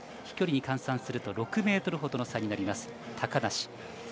飛距離に換算すると６ｍほどの差になります、高梨。